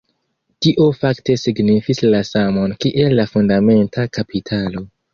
Tio fakte signifis la samon kiel la fundamenta kapitalo.